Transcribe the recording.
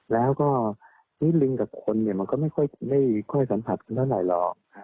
แล้วก็ทีนี้ลิงกับคนเนี่ยมันก็ไม่ค่อยสัมผัสกันเท่าไหร่หรอก